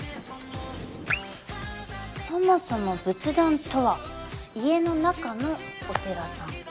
そもそも仏壇とは家の中のお寺さん。